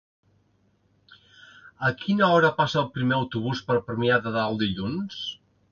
A quina hora passa el primer autobús per Premià de Dalt dilluns?